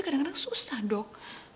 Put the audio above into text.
kadang kadang susah dok